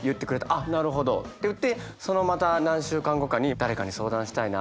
「あっなるほど」って言ってそのまた何週間後かに誰かに相談したいな。